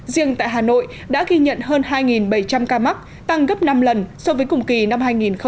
riêng tại hà nội đã ghi nhận hơn hai bảy trăm linh ca mắc tăng gấp năm lần so với cùng kỳ năm hai nghìn một mươi tám